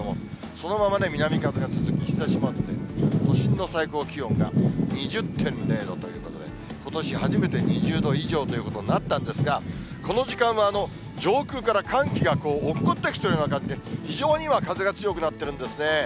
そのまま南風が続いて日ざしもあって、都心の最高気温が２０．０度ということで、ことし初めて２０度以上ということになったんですが、この時間は、上空から寒気がおっこってきたような感じで、非常に今、風が強くなっているんですね。